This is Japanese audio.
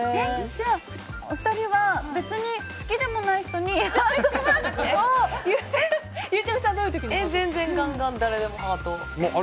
じゃあお二人は別に好きでもない人にゆうちゃみさんは全然、ガンガン誰でもハート。